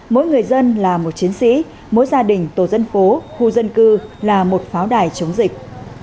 mỗi người dân là một chiến sĩ mỗi gia đình tổ dân phố khu dân cư là một pháo đài chống dịch